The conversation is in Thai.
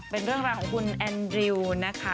เป็นเรื่องราวของคุณแอนดริวนะคะ